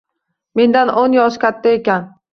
Mendan o`n yosh katta ekan